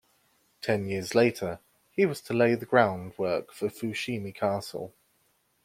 Ten years later, he was to lay the ground work for the Fushimi Castle.